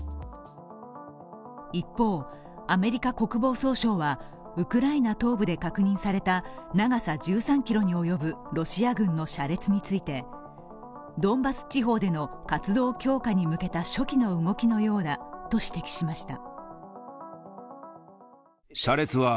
一方、アメリカ国防総省は、クウラ東部で確認された長さ１３ｋｍにおよぶロシア軍の車列についてドンバス地方での活動強化に向けた初期の動きのようだと指摘しました。